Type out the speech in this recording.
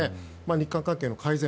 日韓関係の改善